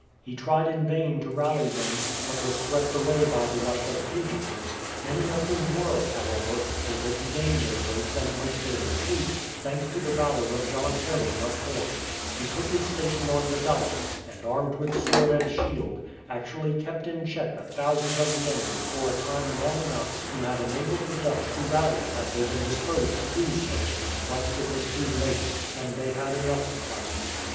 He tried in vain to rally them, but was swept away by the rush of fugitives, many of whom were, however, able to gain their boats and make their retreat, thanks to the valour of John Haring of Horn, who took his station on the dyke, and, armed with sword and shield, actually kept in check a thousand of the enemy for a time long enough to have enabled the Dutch to rally had they been disposed to do so. But it was too late; and they had enough of fighting.